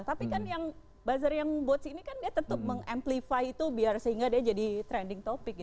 tapi kan yang buzzer yang bots ini kan dia tetap meng amplify itu biar sehingga dia jadi trending topic